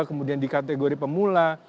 kemudian di kategori pemula